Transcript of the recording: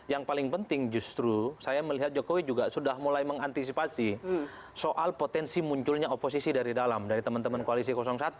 yang paling penting justru saya melihat jokowi juga sudah mulai mengantisipasi soal potensi munculnya oposisi dari dalam dari teman teman koalisi satu